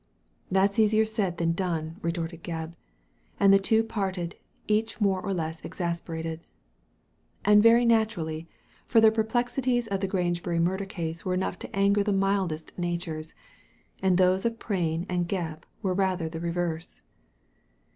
" That's easier said than done," retorted Gebb ; and the two parted, each more or less exasperated. And very naturally, for the perplexities of the Grange bury murder case were enough to anger the mildest natures, and those of Prain and Gebb were rather the reverse.